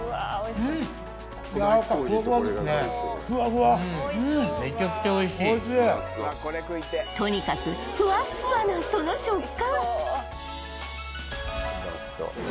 うんおいしいとにかくふわっふわなその食感